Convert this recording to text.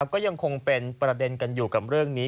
ก็ยังคงเป็นประเด็นกันอยู่กับเรื่องนี้